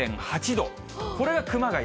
これが熊谷。